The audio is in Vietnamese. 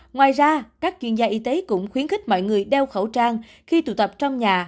ngoài ra các chuyên gia y tế cũng khuyến khích mọi người đeo khẩu trang khi tụ tập trong nhà